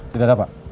tidak ada pak